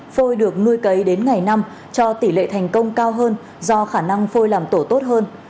phôi được nuôi cấy đến ngày năm cho tỷ lệ thành công cao hơn do khả năng phôi làm tổ tốt hơn